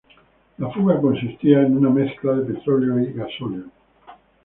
La fuga consistía en una mezcla de petróleo y gasóleo.